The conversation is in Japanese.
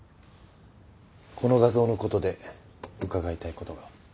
この画像の事で伺いたい事が。